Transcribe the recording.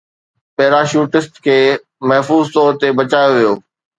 parachutist کي محفوظ طور تي بچايو ويو